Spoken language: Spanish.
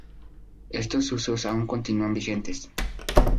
Estos usos aún continúan vigentes.